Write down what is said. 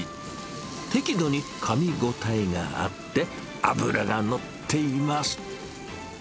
適度にかみ応えがあって、脂が乗っています。